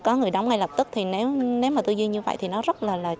có người đóng ngay lập tức nếu mà tuyên truyền như vậy thì nó rất là